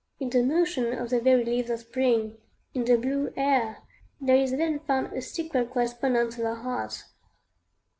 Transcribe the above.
In the motion of the very leaves of spring, in the blue air, there is then found a secret correspondence with our heart.